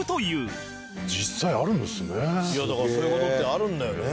いやだからそういう事ってあるんだよね。